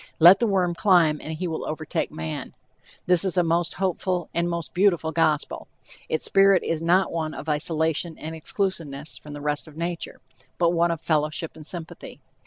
Let the worm climb and he will overtake man. This is a most hopeful, a most beautiful gospel. Its spirit is not one of isolation and exclusiveness from the rest of nature, but one of fellowship and sympathy.